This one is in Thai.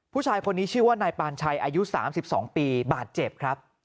ผู้ชายคนนี้ชื่อว่านายปานชัยอายุ๓๒ปีบาดเจ็บครับ